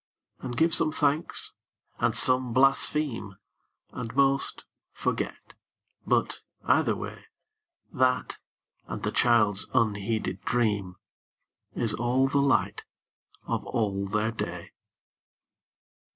And give some thanks, and some blaspheme, And most forget, but, either way, That and the child's unheeded dream Is all the light of all their day.